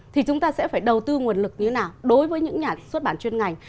thì chúng ta sẽ phải đầu tư nguồn lực như thế nào đối với những nhà xuất bản chuyên ngành